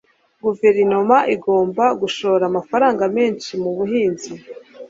guverinoma igomba gushora amafaranga menshi mu buhinzi